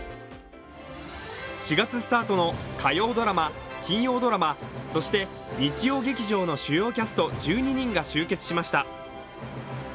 ４月スタートの火曜ドラマ、金曜ドラマ、そして日曜劇場の主要キャスト１２人が集結しました。